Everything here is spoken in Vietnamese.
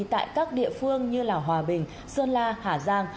tại các địa phương như hòa bình sơn la hà giang